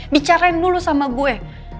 bicarain dulu sama gue